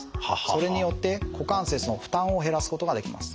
それによって股関節の負担を減らすことができます。